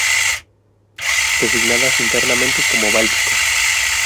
Designadas internamente como Báltico.